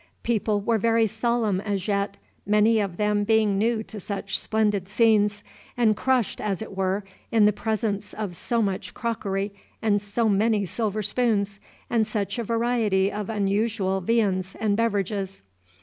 People were very solemn as yet, many of them being new to such splendid scenes, and crushed, as it were, in the presence of so much crockery and so many silver spoons, and such a variety of unusual viands and beverages.